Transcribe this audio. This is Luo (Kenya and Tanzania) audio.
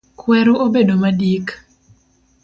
Kweru obedo madik